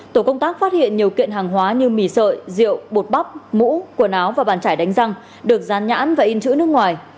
tổ công tác phát hiện nhiều kiện hàng hóa như mì sợi rượu bột bắp mũ quần áo và bàn chải đánh răng được dán nhãn và in chữ nước ngoài